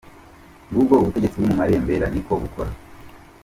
Ngubwo ubutegetsi buri mu marembera niko bukora.